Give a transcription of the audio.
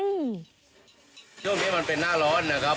ช่วงนี้มันเป็นหน้าร้อนนะครับ